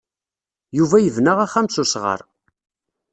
Yuba yebna axxam s wesɣar.